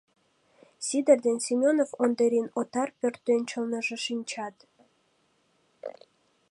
Сидыр ден Семёнов Ондырин отар пӧртӧнчылныжӧ шинчат.